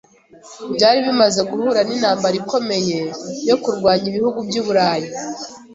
Byari bimaze guhura n’intambara ikomeye yo kurwanya ibihugu by’Uburayi.